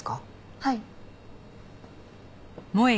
はい。